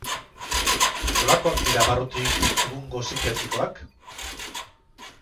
Nolakoak dira barrutik egungo psikiatrikoak?